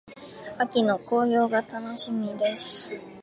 秋の紅葉が楽しみです。